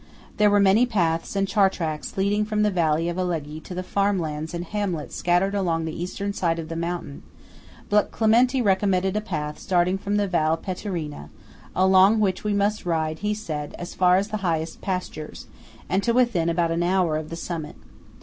There were many paths and char tracks leading from the valley of Alleghe to the farmlands and hamlets scattered along the eastern side of the mountain; but Clementi recommended a path starting from the Val Pettorina, along which we might ride, he said, as far as the highest pastures, and to within about an hour of the summit.